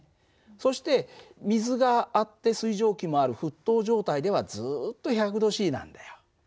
そして水があって水蒸気もある沸騰状態ではずっと１００℃なんだよ。